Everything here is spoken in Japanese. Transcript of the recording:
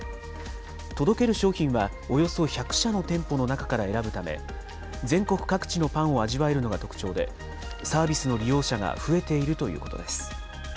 届ける商品はおよそ１００社の店舗の中から選ぶため、全国各地のパンを味わえるのが特徴で、サービスの利用者が増えているということです。